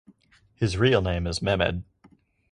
His real name is Mehmed.